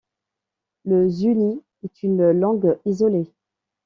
Le zuñi est une langue isolée.